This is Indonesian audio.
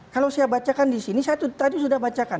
kalau saya bacakan di sini saya tadi sudah bacakan